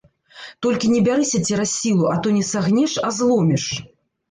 Толькі не бярыся цераз сілу, а то не сагнеш, а зломіш.